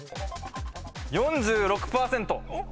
４６％。